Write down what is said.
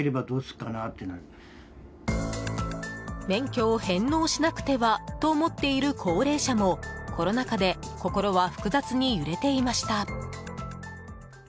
免許を返納しなくてはと思っている高齢者もコロナ禍で心は複雑に揺れていました。